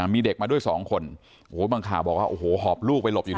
มีเด็กมาด้วย๒คนบางข่าวบอกว่าใครใต้หอบลูกไปหลบอยู่